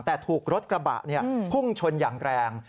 แต่ถูกรถกระบะพุ่งชนอย่างแรง